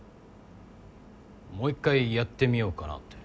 もう１回やってみようかなって。